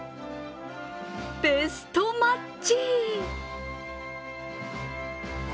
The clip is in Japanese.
ベストマッチ。